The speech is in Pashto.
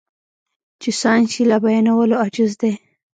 چې ساينس يې له بيانولو عاجز دی.